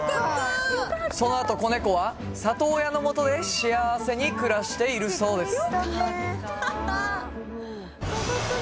そのあと子猫は里親のもとで幸せに暮らしているそうです